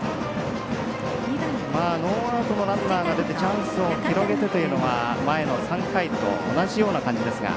ノーアウトのランナーが出てチャンスを広げてというのは前の３回と同じような感じですが